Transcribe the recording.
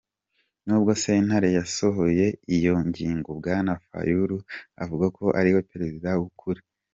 Nubwo sentare yasohoye iyo ngingo, Bwana Fayulu avuga ko ariwe perezida "w'ukuri".